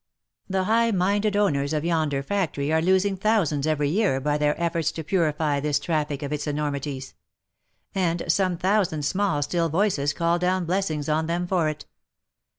The high minded owners of yonder factory are losing thousands every year by their efforts to purify this traffic of its enormities — and some thousand small still voices call down blessings on them for it.